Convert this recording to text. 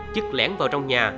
chức lẻn vào trong nhà